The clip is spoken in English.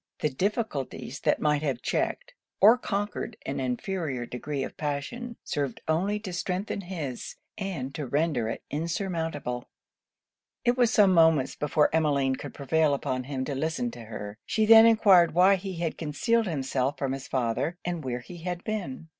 The difficulties that might have checked, or conquered an inferior degree of passion, served only to strengthen his, and to render it insurmountable It was some moments before Emmeline could prevail upon him to listen to her. She then enquired why he had concealed himself from his father, and where he had been?